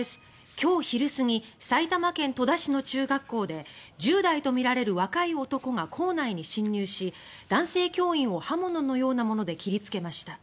今日昼過ぎ埼玉県戸田市の中学校で１０代とみられる若い男が校内に侵入し男性教員を刃物のようなもので切りつけました。